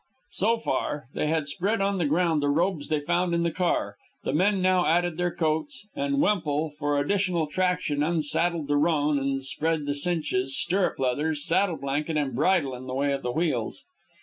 So far, they had spread on the ground the robes found in the car. The men now added their coats, and Wemple, for additional traction, unsaddled the roan, and spread the cinches, stirrup leathers, saddle blanket, and bridle in the way of the wheels.